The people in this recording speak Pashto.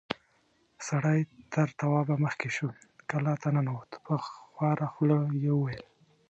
سړی تر توابه مخکې شو، کلا ته ننوت، په خواره خوله يې وويل: